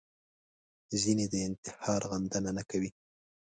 ځینې د انتحار غندنه نه کوي